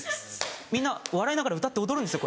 みんな笑いながら歌って踊るんですよ